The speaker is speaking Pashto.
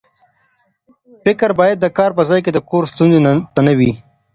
فکر باید د کار په ځای کې د کور ستونزو ته نه وي.